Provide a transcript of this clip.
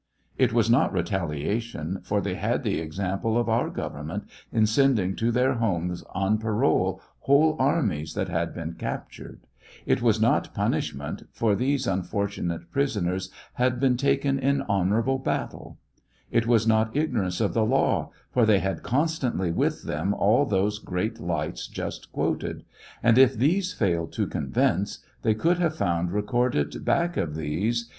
It was not retal iation, for they had the example of our government, in sending to their homes on parole whole armies that had been captured ; it was not punishment, for these unfortunate prisoners had been taken in honorable battle ; it was not ignorance, of the law, for they had constantly with them all those great lights just quoted, and if these failed to convince, they could have found recorded back of these